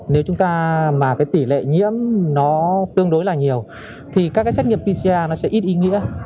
nếu tỷ lệ nhiễm tương đối là nhiều thì các xét nghiệm pcr sẽ ít ý nghĩa